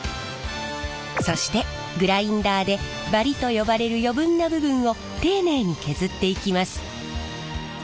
そしてグラインダーでバリと呼ばれる余分な部分を丁寧に削っていきます。